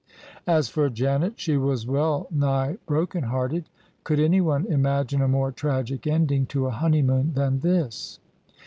As for Janet, she was well nigh broken hearted. Could anyone imagine a more tragic ending to a honeymoon than this?